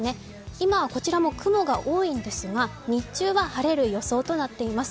今はこちらも雲が多いんですが、日中は晴れる予想となっています。